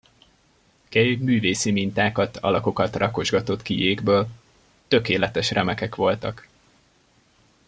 Kay művészi mintákat, alakokat rakosgatott ki jégből; tökéletes remekek voltak.